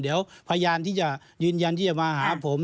เดี๋ยวพยานที่จะยืนยันที่จะมาหาผม